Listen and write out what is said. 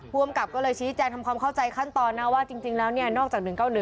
ภูมิกับก็เลยชี้แจงทำความเข้าใจขั้นตอนนะว่าจริงแล้วเนี่ยนอกจาก๑๙๑